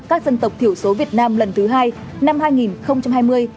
các dân tộc thiểu số việt nam lần thứ hai năm hai nghìn hai mươi